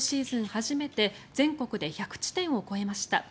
初めて全国で１００地点を超えました。